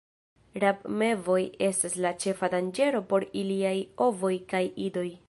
Rabmevoj estas la ĉefa danĝero por iliaj ovoj kaj idoj.